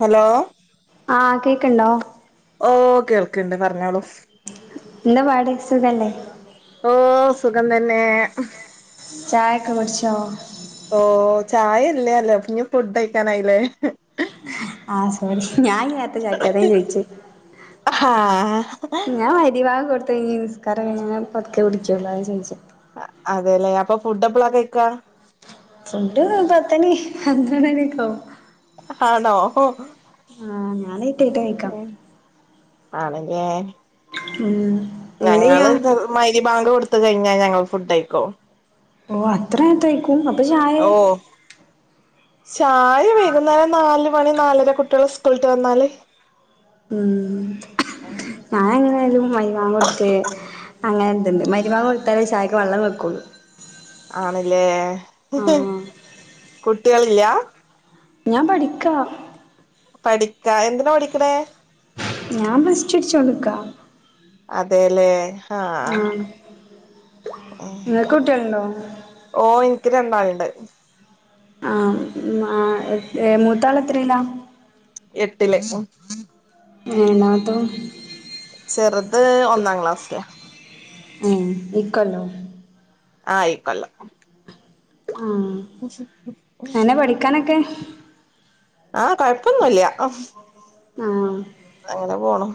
Hello ക്കണ്ടോ ഓ കേൾക്കണ്ട് പറഞ്ഞളൂ എന്താ പാട് സുഖല്ലേ ഓ സുഖം തന്നെ ചായൊക്കെ കുടിച്ചോ ഓ ചായല്ലേല്ലേ ഇഞ് ഫുഡ് കഴക്കാനായില്ലേ ആ സോറി ഞാനീ നേരത്തെ ചായുടിച്ചേ അത ചോയിചെ ആ ഞാൻ മഗ്‌രിഭാങ് കൊടുത്ത കഴിഞ് നിസ്കാരം കഴിഞ്ഞ പത്ക്കെ കുടിച്ചൊള്ളു അതെല്ലേ അപ്പൊ ഫുഡ് എപ്പളാ കഴിക്ക ഫുഡ് പത്തണി പന്ത്രമണിയൊക്കെയാവും. ആണോ? ഹൊ ആ ഞാൻ ലെയ്റ്റായിട്ടാ കയിക്ക ആണങ്കേ! ഉം! എന്തെയ്യാ ഞങ്ങള് മഗ്‌രിബാങ്ക് കൊടുത്തു കഴിഞ്ഞാ ഞങ്ങൾ ഫുഡ് കഴിക്കും. ഓ അത്രനേര്ത്തെ കഴിക്കും അപ്പ ചായേ? ഓ ചായ വൈകുന്നേരം നാലു മണി നാലര കുട്ടിയള് സ്ക്കൂൾട്ട് വന്നാല് ഉം ഞാ എങ്ങനെയായാലും മരിബാങ്കോട്ത്ത് അങ്ങനെ എന്ത്‌ണ്ട്? മഗ്‌രിബാങ്കൊടുത്താലേ ചായക്ക് വള്ളം വെക്കുള്ളു. ആണ്ല്ലേ? ആ കുട്ടിയളില്ലാ ഞാൻ പഠിക്ക പഠിക്കാ എന്തിനാ പഠിക്കണേ? ഞാൻ പ്ലസ് ടു പഠിച്ചോണ്ട് ക്കാ അതെല്ലേ? ആ ഇങ്ങക്ക് കുട്ട്യേള് ണ്ടോ? ഓ! ഇൻക്ക് രണ്ടാൾണ്ട്. ആ! ആ! മൂത്താള് എത്രില? എട്ടില് ഉം [unintelligible] ചെറുത് ഒന്നാം ക്ലാസ്സിലാ ഉം ഇക്കൊല്ലോ ആ ഇക്കൊല്ലം. ആ! എങ്ങനെ പഠിക്കാനൊക്കെ? ആഹ്! കൊഴപ്പൊന്നുല്ല. ആഹ്! അങ്ങനെ പോണം!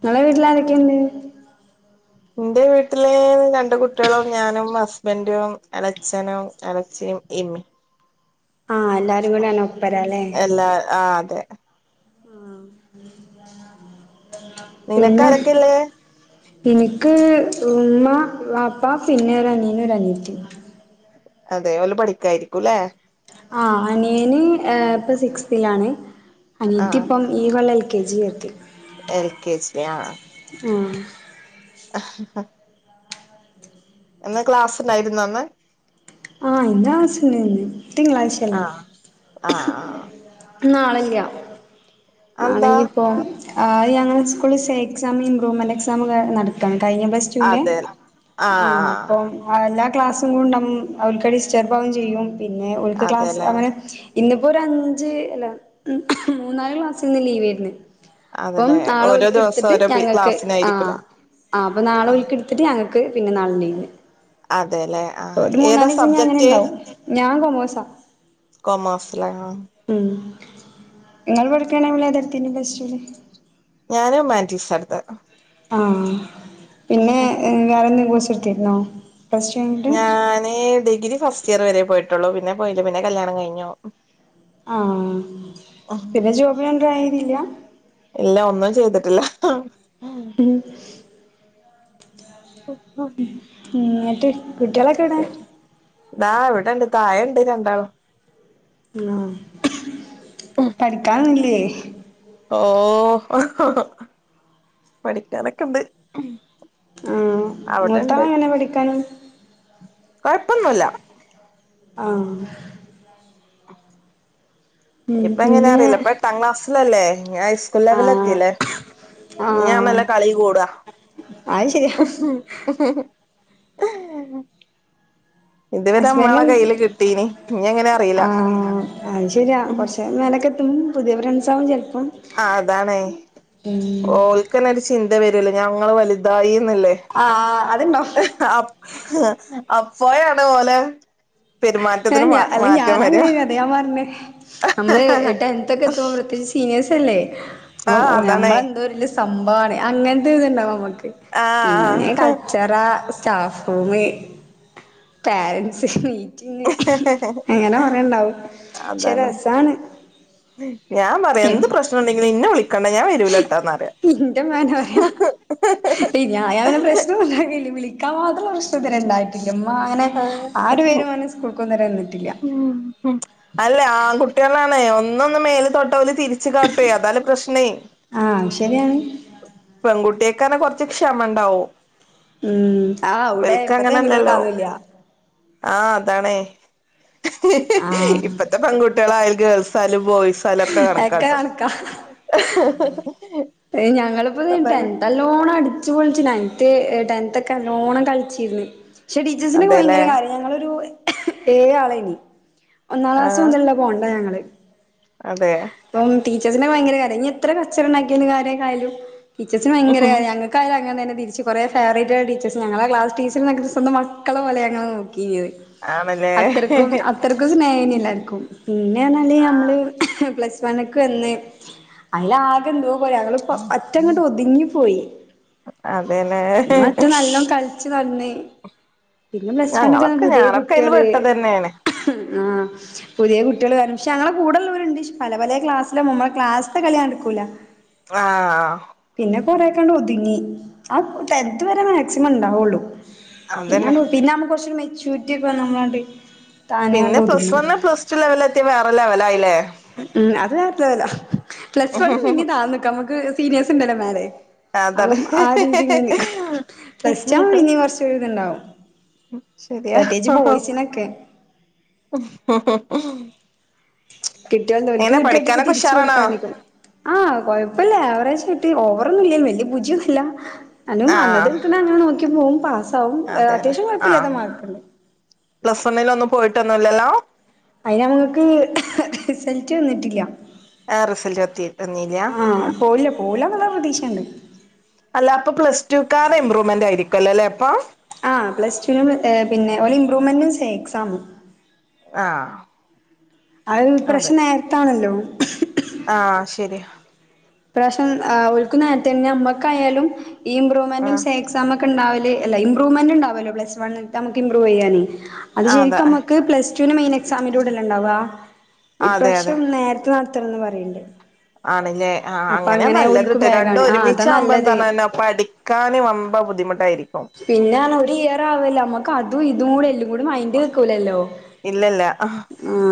ഇങ്ങളെ വീട്ടിലാരൊക്കെയുണ്ട്? ന്റെ വീട്ടില് രണ്ട് കുട്ടിയളും ഞാനും ഹസ്ബൻറും എളച്ഛനും എളച്ചി ഇമ്മീം ആഹ് എല്ലാരും കൂടെയാണ് ഒപ്പരല്ലേ എല്ലാ ആ! അതെ! ആഹ്! നിനക്ക് പിന്നെ? ആരൊക്കെല്ലേ ഇനിക്ക് ഉമ്മ വാപ്പ പിന്നെ ഒരു അനിയനും ഒരനിയത്തിം. അതെ ഓല് പഠിക്കായിരിക്കൂല്ലേ? ആഹ്! അനിയന് ഇപ്പൊ സിക്സ് തിൽ ആണ്. അനീത്തി ആഹ് ഇപ്പം ഈ കൊല്ലം എ കെ ജി ചേർത്തി. L K G. ആഹ് ആഹ് [unintelligible] ഇന്ന് ക്ലാസ്ണ്ടായിരുന്നോ ഇന്ന്? ആ ഇന്ന് ക്ലാസ്സുണ്ടെനി ന്ന് ആഹ്! ആഹ്! ആഹ നാളെല്ല. അതെന്താ നാളെന്നിപ്പോ? ഞങ്ങളെ സ്കൂളിൽ സേ എക്സാം ഇമ്പ്രൂവ്മെന്റ് എക്സാം ഒക്കെ നടക്കാണ്. കഴിഞ്ഞ പ്ലസ് ടു ൻ്റെ അതെ ആ ആഹ് ആഹ് അപ്പം ക്ലാസ്സും കൊണ്ട് അവർക്ക് ഡിസ്റ്റർബ് ആകും ചെയ്യും. പിന്നെ ഓൽക്ക് ക്ലാസ് അതെല്ലേ അങ്ങനെ ഇന്നിപ്പോ ഒരു അഞ്ച് അല്ല മൂന്നാല് ക്ലാസ്സ് ഇന്ന് ലീവേര്ന്ന് അപ്പം അതല്ലെ നാളെ ഓരോ ഓൽക്ക് ദിവസം ഇട്ത്തിട്ട് ഓരോ പി ഞങ്ങക്ക് ആ ക്ലാസ്സിനായിരിക്കുംല്ലേ ആ അപ്പൊ നാളെ ആ ഓൽക്ക് ഇട്ത്തിട്ട് ഞങ്ങക്ക്! പിന്നെ നാളെ ലീവ് അതെല്ലെ ആ ഒരു ഏതാ മൂന്നാലീസം ഇഞ് അങ്ങനെ സബ്ജക്ട് ഇണ്ടാവും ഞാൻ കൊമോസാ കൊമേഴ്സില ഉം ഇങ്ങള് പഠിക്കണന്ന് ഏതാട്ത്തീ നെ പ്ലസ് ടൂന്ന് ഞാന് ഉമാൻറ്റീസ് എടുത്ത ആ പിന്നെ വേറെന്തെ കോയ്‌സ് എടുത്തിരുന്നോ പ്ലസ് ടു കഴിഞ്ഞിട്ട് ഞാനേ ഡിഗ്രി ഫസ്റ്റ് ഇയർ വരെ പോയിട്ടുള്ളൂ. പിന്നെ പോയില്ല. പിന്നെ കല്യാണം കയിഞ്ഞു. ആ പിന്നെ ജോബിനൊന്നും ട്രൈ ചെയ്തില്ല? ഇല്ല ഒന്നും ചെയ്തിട്ടില്ല. ഉം എന്നട്ട് കുട്ടികളൊക്കെ ഏവ്ടെ? ദാ ഇവ്ടെ ഇണ്ട് തായണ്ട് രണ്ടാളും ഉം പഠിക്കാനൊന്നുംല്ല്യേ? ഓ പഠിക്കാനൊക്കെണ്ട്. ആഹ് അവിടെ ഇണ്ട് മൂത്താള് എങ്ങനെ പഠിക്കാന് കൊഴപ്പൊന്നുല്ല ആ ഇപ്പ എങ്ങനാ? പിന്നെ റിലബ എട്ടാം ക്ലാസ്സിലല്ലേ? ഞ്ഞി ഹൈസ്കൂൾ ആഹ് ലെവലെത്തില്ലേ? ഞ്ഞി ആഹ് ആണല്ലോ കളി കൂടാ അത് ശരിയാ ഇതുവരെ നമ്മളെ ഹസ്ബൻഡും കയ്യില് കിട്ടീന് ഇനി എങ്ങനെ അറിയില്ല ആ അത് ശര്യാ കൊറച്ചഴിയുമ്പോ ഒക്കെത്തും പുതിയ ഫ്രണ്ട്സാവും ചില ആ അതാണേ ഓൽക്ക്ന്നേ ഒരു ചിന്ത വരല്ലോ ഞങ്ങള് വലുതായി ന്ന്ള്ള് ആഹ് അതുണ്ടാവും അപ്പയോണ് ഓലെ ഏ പെരുമാറ്റത്തിന് ഞ മാ അല്ല മാറ്റം വരിക ഞാനാങ്ങനേണ് അതാ ഞാൻ പറഞ്ഞേ അമ്മള് ടെൻത് ഒക്കെ എത്ത്മ്പോ പ്രത്യേക്ച്ച് സീനിയേഴ്സ് സല്ലേ ആഹ് അപ്പ അതാണേ ഞമ്മളന്തോ വല്യ സംഭവാണ്. അങ്ങനത്തെ ഒര് ഇത്ണ്ടാവും നമ്മക്ക് പിന്നെ ആഹ് കച്ചറ സ്റ്റാഫ്‌റൂമ്. പാരൻറ്റ്സ്. ന്ന് അങ്ങനെ കൊറേണ്ടാവും പക്ഷേ അതാണ് രസാണ്. ഞാൻ പറയും എന്ത് പ്രശ്നണ്ടെങ്കിലും ഇന്നെ വിളിക്കണ്ട ഞാൻ വരൂല്ലാട്ടാന്ന്റിയ ഇന്റെമ്മങ്ങനാ പറയാ. ഞായാങ്ങനെ പ്രശ്നോംല്ലാക്കല്ലേ വിളി ക്കാം മാത്രള്ള പ്രശ്നം ഇതുവരേണ്ടായിട്ടില്ല. ഉമ്മ അങ്ങനെ ആ ഒരു പേരും പറഞ്ഞ് സ്കൂൾക്ക് വന്നിട്ടൊന്നുല്ല. ഉം ഉം അല്ല ആൺകുട്ടികളാണേ ഒന്ന ഒന്ന് മേല് തൊട്ടാ ഓല് തിരിച്ച് കാട്ട്വേ. അതാല് പ്രശ്നേ ആ അത് ശരിയാണ്. പെൺകുട്ടിയേക്കാണേ കൊറച്ച് ക്ഷമണ്ടാവും. ഉം ആ അവ്ടെ ഇപ്പത്തെ പെൺകുട്ട്യോൾക്ക് അതൊന്നുല്ല. ആ അതാണേ ആഹ് ഇപ്പത്തെ പെൺകുട്ടികളായാൽ ഗേൾസായാലും ബോയ് സാലൊക്കെ ഒക്കെ കണക്കാട്ടോ കണക്കാ അതാണ് ടെൻതല്ലോണം അടിച്ചു പൊളിച്ച്ന്. നയൻത് ടെൻത് ഒക്കെ നല്ലോണം കളിച്ചിന്ന്. പക്ഷേ ടീച്ചേഴ്സിനൊക്കെ ഭയങ്കര അതെല്ലേ കാര്യാ. ഞങ്ങളൊരു ഏഴാളേനി ഒന്നാം ക്ലാസ് ആഹ് മൊതലുള്ള ബോണ്ടാ ഞങ്ങള്. അതെ ടീച്ചേഴ്സിനോക്കെ ഭയങ്കര കാര്യേർന്നു. ഇഞ്ഞി എത്ര കച്ചറ ഉണ്ടാക്കിയായാലും ആരൊക്കെ ആയാലും ടീച്ചേഴ്സ്ന് ഭയങ്കര കാര്യാ. ഞങ്ങൾക്കായാലും അങ്ങനന്നേ തിരിച്ച് കൊറെ ഫേവററ്റ്ള്ള ടീച്ചേഴസ്. ഞങ്ങളുടെ ക്ലാസ് ടീച്ചർനോക്കെ സ്വന്തം മക്കളെ പോലെ ഞങ്ങളെ നോക്ക് യ്യ് ആണല്ലേ അത്രക്കും അത്രക്കും സ്നേഹയ്ന് എല്ലാര്ക്കും. പിന്നേണെങ്കില് ഞമ്മള് ആഹ് ഹ് പ്ലസ് വൺക്ക് വന്ന്. അതിലാകെ എന്തോപോലെ അതില് പറ്റെങ്ങട് ഒതുങ്ങിപ്പോയി. അതേലെ നല്ലോം കളിച്ച് നടന്ന് പിന്നെ പ്ലസ് വണ്ണോക്കെ ഞങ്ങളൊക്കെ പുത്യേ ഞാനൊക്കെ അയില് കുട്യാള് പെട്ടത് തന്നെയാണ് ആ പുത്യേ കുട്ട്യോള് കാരണം പക്ഷേ അങ്ങനെ കൂടെള്ളോ ണ്ട് ഷ് പല പലേ ക്ലാസില. നമ്മ ക്ലാസ്ത്തെ കളി നടക്കൂല്ല. ആ പ്പോ കൊറക്കങ്ങട്ട് ഒതുങ്ങി. ആ ടെൻത് വരെ മാക്സിമം ഉണ്ടാവൊള്ളു. അതന്നെ പിന്നെങ്ങ് പിന്നമ്മക്ക് കൊറച്ചൊരു മെച്യൂരിറ്റി ഒക്കെ നമ്മളങ്ങ്‌ട് പിന്ന പ്ലസ് വണ്ണ് പ്ലസ് ടു ലെവലത്ത്യാ വേറെ ലെവലായില്ലേ? ഉം ഉം അത് [unintelligible] പ്ലസ് വണ് പിന്നീ താന്ന്ക്കാ മക്ക് സീനിയേഴ്സ്ണ്ടല്ലൊ മേലെ. ആതാണ്. അപ്പം ആ രീതില് ഇങ്ങനെ നിക്കും പ്ലസ് ടു ആവുമ്പം പിന്നിം കൊർച്ചൊരു ഇത്ണ്ടാവും ശരിയാ പ്രത്യേകിച്ച് ബോയ്സിനൊക്കെ കിട്ടിയോൽതോൽക് എങ്ങനെ കിട്ടിയടിയോക്കെ പഠിക്കാനൊക്കെ തിരിച്ച് ഉഷാറാണോ കൊടുക്കാണ്ടിരികുവോ. ആ കൊഴപ്പല്ല അവറേ ച്ചൂട്ടി ഓവറൊന്നുല്യ വല്യ ഭുജിയൊന്നല്ല [unintelligible] അന്നത് ആഹ് അങ്ങനെ നോക്കി പോകും പാസ് സാകും. അതെന്നെ അത്യാവശ്യം കുഴപ്പല്യാത്ത ആഹ് മാർക്ക്ണ്ട്. പ്ലസ് വണ്ണിലൊന്നും പോയിട്ടൊന്നുല്ലല്ലോ? അയിന് അപ്പങ്ങക്ക് റിസൾറ്റ് വന്നിട്ടില്ല. ഏ റിസൾട് ഒത്തി വന്നീലാ? ആഹ് പോവില്ല പോവൂലാന്ന്ള്ള പ്രതീക്ഷണ്ട് അല്ല അപ്പൊ പ്ലസ്ടുക്കാറെ ഇമ്പ്രൂവ്മെന്റ് ആയിരിക്കല്ലൊ ല്ലേ? ആ പ്ലസ്ടുവിനും ഏ പിന്നെ ഒര് ഇമ്പ്രൂവ്മെന്റും സേ എക്സാമും. ആഹ്. അത് അതെ ഇപ്രശ്യം നേരത്താണല്ലോ ആഹ് ശരിയാ. ഇപ്രാശ്യം ആഹ് ഓൽകും നേരത്തെണ്. ഞമ്മക്കായാലും ഈ ഇംമ്പ്രൂവ്മെന്റും ആഹ് സേ എക്സാമൊ ക്ക ണ്ടാവല് അല്ല ഇമ്പ്രൂവ്മന്റ് ഉണ്ടാവലൊള്ളൂ. പ്ലസ് വണ്ണുതെ നമ്മക്ക് ഇമ്പ്രൂവ് ചെയ്യാനേ. അത് അതെ ശരിക്കും മ്മക്ക് പ്ലസ് ടുവിന് മെയിൻ എക്സാമിന്റെ കൂടെല്ലാ ഉണ്ടാവാ. അതെ അതെ ഇപ്രാശ്യം നേരത്തെ നടത്തണംന്ന് പറിണ്ട്. ആണ്ല്ലേ? ആഹ് അങ്ങനെയാ നല്ലത് ട്ടോ. രണ്ടും വേഗാണ് ആ അതാ ഒരുമിച്ച് ആവുമ്പോ നല്ലത് എന്താർഞര്നോ പഠിക്കാൻ വമ്പം ബുദ്ധിമുട്ടായിരി പിന്നെ ർഞാ ഒരു ഇയർ ആവല്ലോ. നമ്മക്ക് അതും ഇതും കൂടെ എല്ലും കൂടി മൈൻഡ്ല് നിക്കൂലല്ലോ. ല്ല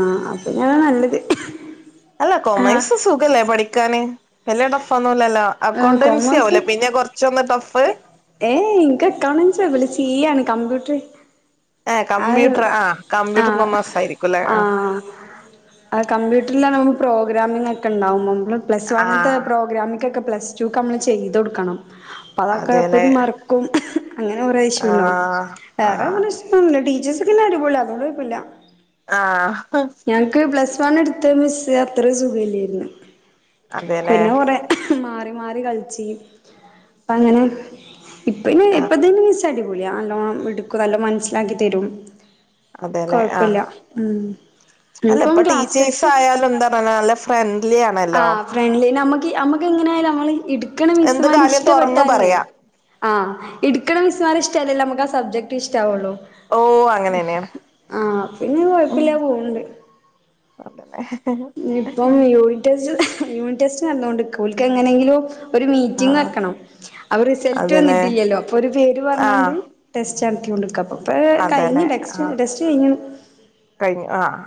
ആ അപ്പം നതാ നല്ലത് അല്ല ആ കൊമേഴ്സ് സുഖല്ലേ പഠിക്കാന് വല്യ ടഫ്ഒ ന്നുല്ലല്ലോ. അക്കൗണ്ടൻസി ആവുല്ലേ പിന്നെ കുറച്ചൊന്ന് ടഫ് ഏയ് ഇൻക്ക് അക്കൗണൻസി കൊഴപ്പല്ല സി എ ആണ് കമ്പ്യൂട്ടർ ഏ കമ്പ്യൂട്ടർ. ആ കമ്പ്യൂട്ടർ കൊമേഴ്സ് ആയിരിക്കുംല്ലെ ആഹ് അത് കമ്പ്യൂട്ടറിലാണ് നം പ്രോഗ്രാമിംഗൊക്കെണ്ടാവും. മ്മള് പ്ലസ് ആ വണ്ത്തെ പ്രോഗ്രാമിക്കൊക്കെ പ്ലസ് ടുക്ക് നമ്മൾ ചെയ്തൊട്ക്കണം. അപ്പതൊക്കെ അതേല്ലേ അപ്പൊത്തിന് മറക്കും. അങ്ങനെ കൊറേ ആ ഇഷ്യൂണ്ടാകും. ആ വേറെന്നറഞ്ഞ പിന്നെ ടീച്ചേഴ്സൊക്കെ പിന്നെ അടിപൊളിയാ. അതോണ്ടൊഴപ്പല്ല. ആഹ് തോനെട്ത്ത മിസ്സ് അത്ര സുഖല്ലായിന്നു. അതേല്ലെ മാറി മാറി കളിച്ചീ. പ്പങ്ങനെ ഇപ്പ യ്ന് ആ ഇപ്പെത്തേന് മിസ്സ്‌ അടി ക്കൂല നല്ലോണം ഇടുക്കും നല്ലോം മനസ്സിലാക്കി തരും. അതേല്ലേ ആ കൊഴപ്പല്ല ഉം അല്ല ഞ്പ്പം ഇപ്പൊ ക്ലാസ് ടീച്ചേഴ്സ് ടെസ്റ്റ്... ആയാലും എന്താ പറയണ നല്ല ഫ്രണ്ട്ലി ആ ആണല്ലോ ഫ്രണ്ലി നമു ക്കി നമ്മക്ക് എങ്ങനായാലും നമ്മള് ഇടുക്കണ എന്ത് മിസ്സുമാർ കാര്യം തുറന്ന് ഇഷ്ടപ്പെട്ടാൽല്ലേ. പറയാ ആഹ് ഇടുക്കണ മിസ്സുമാർ ഇഷ് ട്ടായാലല്ലേ മ്മക്ക് ആ സബ്ജക്ട് ഇഷ്ട്ടാവൊള്ളൂ. ഓ അങ്ങനെന്നെയാണ് ആഹ് പിന്നെ ഉം കൊഴപ്പില്യാ പോവ്ണ്ട് അതന്നെ ഇപ്പം യൂണിറ്റ് ടെസ്റ്റ് യൂണിറ്റ് ടെസ്റ്റ് നല്ലോണ്ട്ക്ക് ഓൽക്ക് എങ്ങനേങ്കിലും ഒരു ആ മീറ്റിംഗ് വെക്കണം അപ്പ റിസൾട്ട് അതേല്ലേ വന്നിട്ടില്ലല്ലോ അപ്പൊ ഒരു പേര് ആ പറഞ്ഞാണ്ട് ടെസ് [unintelligible] കൊണ്ട്ക്കാപ്പം ഇപ്പ കഴിഞ് അതേല്ലേ ടെക്സ്റ്റ് ആ ടെസ്റ്റ് കഴിഞ്ഞു. കഴിഞ്ഞു ആഹ്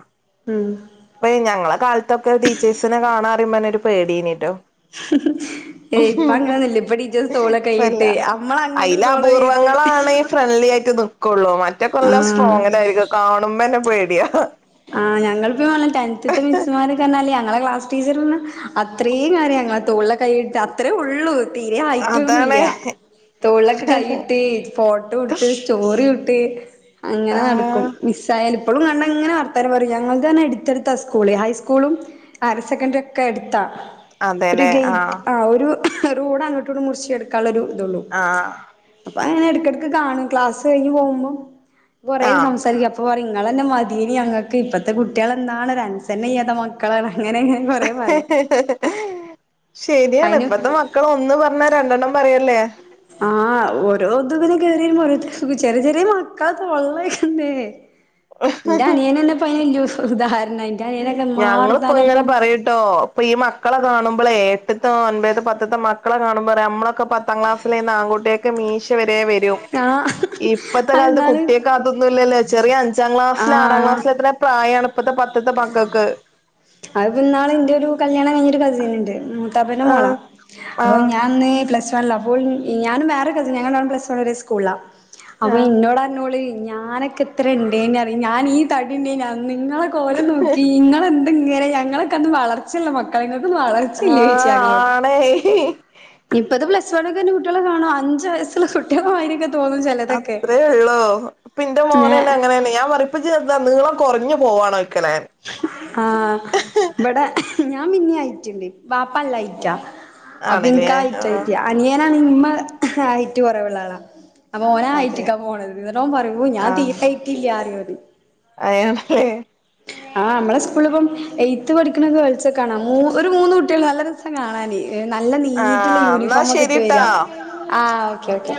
ത്യം പർഞ്ഞാ ഒരു പേട്യേനി ട്ടോ ഏയ് ഇപ്പ അങ്ങനൊന്നുല്ല ഇപ്പ ടീച്ചേഴ്സ് തോളെ ഇപ്പല്ല. കൈയിട്ട് അമ്മള് അങ്ങട്ട് തോളെ അയിലപൂർവങ്ങ കൈയിട്ട് ങ്ങളാണ് ഇ ഫ്രണ്ട്ലി ആയിട്ട് നിക്കൊള്ളൂ. മറ്റൊക്കെ ല്ലോം ആഹ് സ്ട്രോങ്ങിലായിരിക്കും. കാണുമ്പന്നെ പേടിയാ. ആ. ഞങ്ങള് പ്പം [unintelligible] ടെൻത്ത്ത്തെ മിസ്സ്മാര്കർഞ്ഞാല് ഞങ്ങളെ ക്ലാസ് ടീച്ചറർഞ അത്രയും കാര്യം അങ്ങെ തോള്ല കൈയിട്ട് അത്രേ ഉള്ളൂ തീരെ അതാണ് ഹൈറ്റൊന്നുല്ലൃ തൊള്ലൊക്കെ കൈയിട്ട് ഫോട്ടോ കൊടുത്ത് സ്റ്റോറി ട്ട് അങ്ങനെ നടക്കും ആഹ് മിസ്സായൽ ഇപ്പോഴും കണ്ടങ്ങനെ വെ പറയും ഞങ്ങൾക്ക് തന്നെ എടുത്തെടുത്താ സ്കൂള് ഹൈസ്കൂളും ഹയർ സെക്കൻററി ഒക്കെ അടുത്താ ത്രി അതെല്ലേ ഗേറ്റ് ആഹ് ആ ഒരു റോഡങ്ങോട്ടോണ്ട് മുറിച്ചെടുക്കാനുള്ളൊരു ഇതുള്ളൂ ആഹ് അ ഏടക്കിടക്ക് കാണും ക്ലാസ് കഴിഞ് പോവുംമ്പോ കൊറെ ആഹ് സംസാരിക്കാം അപ്പ പറയും നിങ്ങളന്നെ മതീനി ഞങ്ങൾക്ക് ഇപ്പത്തെ കുട്ടികളെന്താണ് ഒരൻസർണ ചെയ്യാത്ത മക്കളാണ് ശെരിയാണ് അയിന് ഇപ്പത്തെ മക്കള ഒന്ന് പറഞ്ഞാ രണ്ടെണ്ണം പറയല്ലേ ആഹ് ഓരോ ഇത്ങ്ങനെ കേറീ വെരുംമ്പ ഓരോര്ത്ത ചെറിയ ചെറിയ മക്കളൊക്കെ ഉള്ളതല്ലേ എന്റെ അനിയനന്നെ പ്പ ഇലു ഉദാഹരണ ഞങ്ങളിപ്പോ ഇങ്ങനെ പറയ്ട്ടോ ഇപ്പൊ ഈ മക്കളക്കെ കാണുമ്പളെ എട്ട്ത്ത അൻപത്ത്തെ പത്തത്തെ മക്കളെ കാണുമ്പോ പറയ നമ്മള പത്താം ക്ലാസ്സൽന്ന് ആൺകുട്ടിയൊക്കെ മീശ വരെ വരും ആഹ് ഇപ്പഴത്തെ കാലത്ത് അതെന്നാള് കുട്ടിയക്കെ അതൊന്നും ഇല്ലല്ലേ ചെറിയ അഞ്ചാം ക്ലാസ്സില് ആറാം ആഹ് ക്ലാസ്സില എത്ര പ്രായാണ് ഇപ്പഴത്തെ പത്തത്തെ പക്കക്ക് അത് പിന്നാളെ ഇന്റെയ ഒരു കല്യാണം ക ഒരു കസിൻ ഇണ്ട് മൂത്താപ്പന്റെ മോളാ ആഹ് അപ്പ ആഹ് ഞാൻന്ന് പ്ലസ് അപ്പോ ഞാനും വേറെ കസിൻ ഞങ്ങൾ രണ്ടാളും പ്ലസ് വൺ ഒരെ സ്കൂള്ലാ അപ്പൊ ആഹ് എന്നോട് അനോള് ഞാനൊക്കെത്ര ഉണ്ടേന് അർയോ ഞൻ ഈ തടിയുണ്ടാര്ന്ന് അന്ന് നിങ്ങള കോലം നോക്കീ നിങ്ങള ഇങ്ങനെ ഞങ്ങളൊക്കെന്ന വളർച്ച്ളള മക്കള ഇങ്ങൾക്കൊന്നും വളർച്ചില്ലേച്ചി ആഹ് ഞങ്ങളോട് ആണേ ഇപ്പത് പ്ലസ് വൺ ഒക്കെന്നെ കുട്ടികെ കാണോ അഞ്ചു വയസ്സുള്ള കുട്ടികള മായിരിക്ക അത്രേ ഉള്ളൂ പിന്റെ ഏഹ് മോനെന്നെ അങ്ങനെന്നെ ഞാൻ പറയിപ്പ ചെറ്ത നീളം കുറഞ്ഞു പോവാണോ ആഹ് ഇവിടെ ഞാൻ പിന്നെ അയിറ്റുണ്ട് പാപ്പല്ലയിറ്റാ അപ്പൊ ആണ്ല്ലേ ഇനിക ആഹ് ആയിറ്റായി അനിയനാണ് ഇമമ ആയിട്ട് കൊറവുളള ആളാ അപ്പ ഓനെ അതെ ആയിട്ടിക്കാ പോണത് എന്നിട്ടോൻ പറയ ഞാൻ ആഹ് തീർക്കായിട്ടില്ല എന്നു പറയും അയാണല്ലേ ആ നമ്മള സ്കുളിപ്പം എയ്ത്ത് പഠിക്കണ ഗേൾസ്ക്ക കാണാ ഒരു മൂന്ന് കുട്ടികൾ നല്ല രസം കാണാന് നല്ല നീറ്റുള്ള ആഹ് എന്നാ യൂണിഫോമിക്കിട്ട് ശരിട്ടാ വരാ ആ ഓക്കേ ഓക്കേ